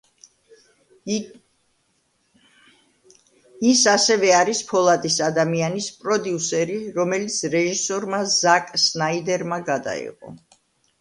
ის ასევე არის „ფოლადის ადამიანის“ პროდიუსერი, რომელიც რეჟისორმა ზაკ სნაიდერმა გადაიღო.